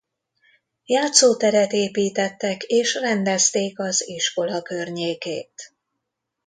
Játszóteret építettek és rendezték az iskola környékét.